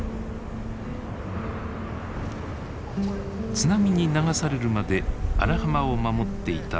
津波に流されるまで荒浜を守っていた松林。